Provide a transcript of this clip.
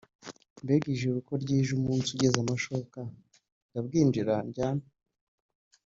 mbega ijuru ko ryije umunsi ugeze amashoka ndabwinjira ndyame?